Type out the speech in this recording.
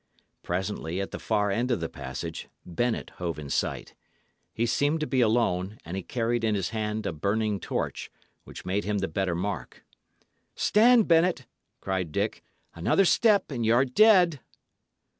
Presently, at the far end of the passage, Bennet hove in sight. He seemed to be alone, and he carried in his hand a burning torch, which made him the better mark. "Stand, Bennet!" cried Dick. "Another step, and y' are dead."